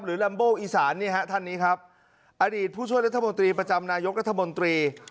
ลัมโบอีสานนี่ฮะท่านนี้ครับอดีตผู้ช่วยรัฐมนตรีประจำนายกรัฐมนตรี